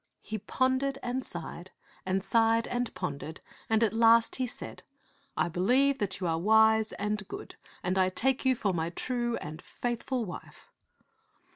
he pondered and sighed, and sighed and pon dered ; and at last he said, " I believe that you are wise and good, and I take you for my true and faith ful wife."